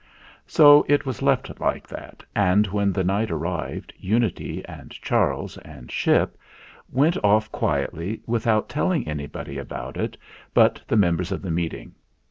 So it was left like that, and when the night arrived, Unity and Charles and Ship went off 109 no THE FLINT HEART quietly without telling anybody about it but the members of the Meeting.